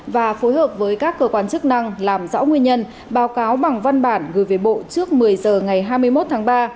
và phối hợp với các cơ quan chức năng làm rõ nguyên nhân báo cáo bằng văn bản gửi về bộ trước một mươi h ngày hai mươi một tháng ba